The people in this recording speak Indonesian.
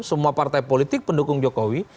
semua partai politik pendukung jokowi